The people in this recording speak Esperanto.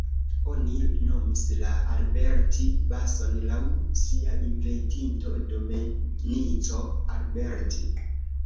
Oni nomis la Alberti-bason laŭ sia inventinto Domenico Alberti.